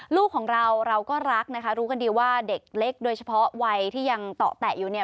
ลูกของเราเราก็รักนะคะรู้กันดีว่าเด็กเล็กโดยเฉพาะวัยที่ยังต่อแตะอยู่เนี่ย